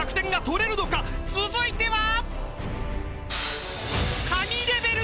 ［続いては］